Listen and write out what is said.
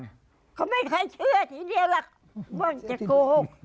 เขาไม่เคยเชื่อทีเดียวหรอกว่าจะโกหก